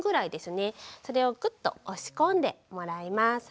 それをクッと押し込んでもらいます。